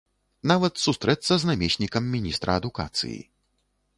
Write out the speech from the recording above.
Нават сустрэцца з намеснікам міністра адукацыі.